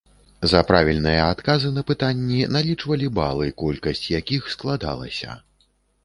За правільныя адказы на пытанні налічвалі балы, колькасць якіх складалася.